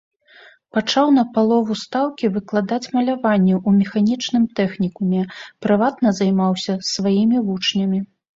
Пачаў на палову стаўкі выкладаць маляванне ў механічным тэхнікуме, прыватна займаўся з сваімі вучнямі.